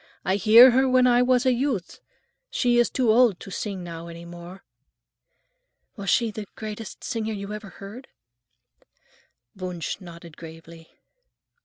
I hear her when I was a youth. She is too old to sing now any more." "Was she the greatest singer you ever heard?" Wunsch nodded gravely.